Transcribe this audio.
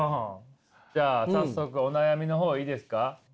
じゃあ早速お悩みの方いいですか？